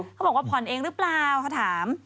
เขาบอกว่าผ่อนเองหรือเปล่าเขาถาม